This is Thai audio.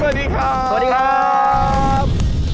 สวัสดีครับ